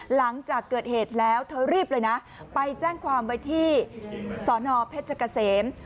หลังจากเกิดเหตุแล้วเธอรีบเลยนะไปแจ้งความไว้ที่สอนอเพชรเกษม